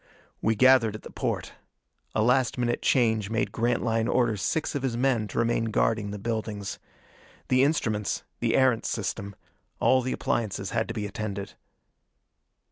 We gathered at the porte. A last minute change made Grantline order six of his men to remain guarding the buildings. The instruments the Erentz system all the appliances had to be attended.